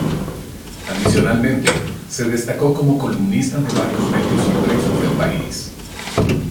Adicionalmente, se destacó como columnista de varios medios impresos del país.